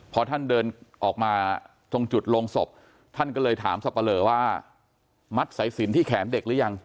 พอท่านเดินออกมาตรงจุดลงศพท่านก็เลยถามสับปะเหลอว่ามัดสายสินที่แขนเด็กหรือยัง